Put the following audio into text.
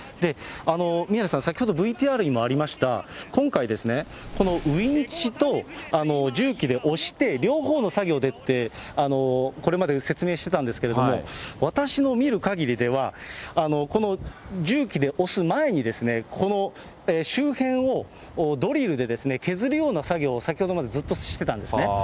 宮根さん、先ほどＶＴＲにもありました、今回、このウインチと重機で押して、両方の作業でって、これまで説明してたんですけれども、私の見るかぎりでは、この重機で押す前にですね、周辺をドリルで削るような作業を先ほどまでずっとしてたんですね。